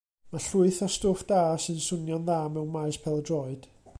Mae llwyth o stwff da sy'n swnio'n dda mewn maes pêl-droed.